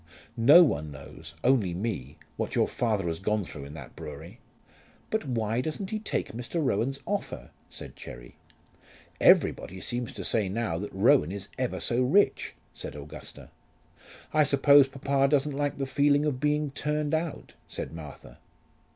No one knows, only me, what your father has gone through in that brewery." "But why doesn't he take Mr. Rowan's offer?" said Cherry. "Everybody seems to say now that Rowan is ever so rich," said Augusta. "I suppose papa doesn't like the feeling of being turned out," said Martha.